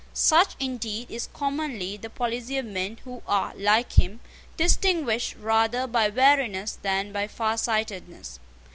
Such, indeed, is commonly the policy of men who are, like him, distinguished rather by wariness than by farsightedness.